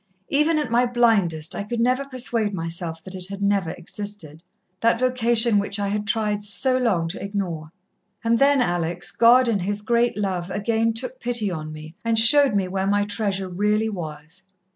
Even at my blindest I could never persuade myself that it had never existed that vocation which I had tried so long to ignore. And then, Alex, God in His great love, again took pity on me, and showed me where my treasure really was.